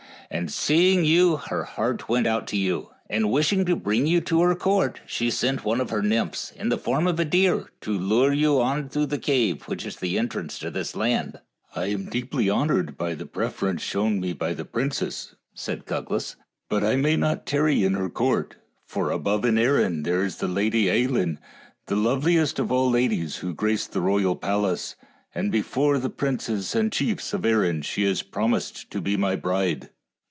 And seeing you her heart went out to you, and wishing to bring you to her court, she sent one of her nymphs, in the form of a deer, to lure you on through the cave, which is the entrance to this land." " I am deeply honored by the preference shown THE ENCHANTED CAVE 53 me by the princess," said Cuglas, " but I may not tarry in her court ; for above in Erin there is the Lady Ailinn, the loveliest of all the ladies who grace the royal palace, and before the princes and chiefs of Erin she has promised to be my bride."